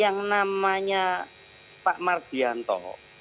yang namanya pak marbianto